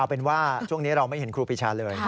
เอาเป็นว่าช่วงนี้เราไม่เห็นครูปีชาเลย